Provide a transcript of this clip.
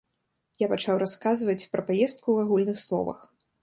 Я пачаў расказваць пра паездку ў агульных словах.